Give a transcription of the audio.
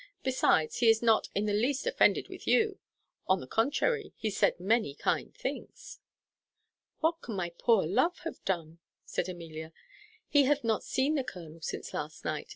"Besides, he is not in the least offended with you. On the contrary, he said many kind things." "What can my poor love have done?" said Amelia. "He hath not seen the colonel since last night.